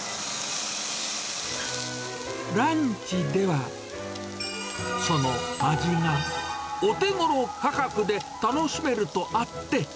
ランチでは、その味がお手ごろ価格で楽しめるとあって。